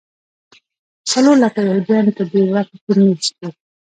څلور لکه یهودیان په دې برخه کې مېشت دي.